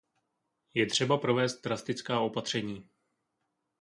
Je třeba provést drastická opatření.